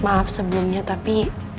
maaf sebelumnya tapi